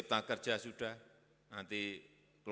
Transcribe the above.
untuknya kita sudah banyak pengonggol